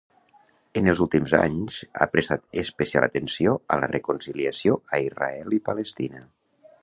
En els últims anys, ha prestat especial atenció a la reconciliació a Israel i Palestina.